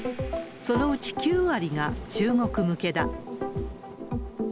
そのうち９割が中国向けだ。